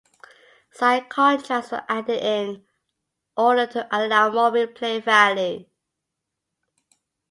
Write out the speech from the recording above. Side contracts were added in order to allow more replay value.